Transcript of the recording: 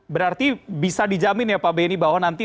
berarti bisa dijamin ya pak beni bahwa nanti